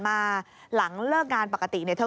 โดดลงรถหรือยังไงครับ